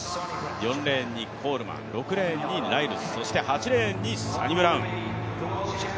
４レーンにコールマン、６レーンにライルズ、そして８レーンにサニブラウン。